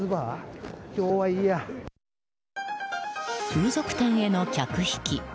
風俗店への客引き。